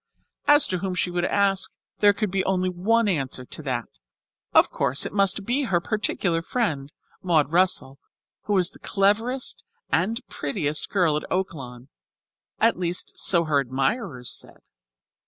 As to whom she would ask, there could be only one answer to that. Of course it must be her particular friend, Maud Russell, who was the cleverest and prettiest girl at Oaklawn, at least so her admirers said.